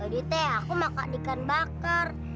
jadi teh aku makan ikan bakar